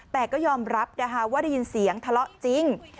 แต่ก็ยอมรับว่ายินเสียงทะเลาะจริง